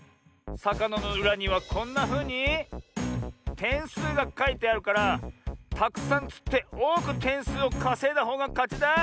さかなのうらにはこんなふうにてんすうがかいてあるからたくさんつっておおくてんすうをかせいだほうがかちだ。